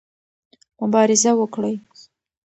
مبارزه وکړئ.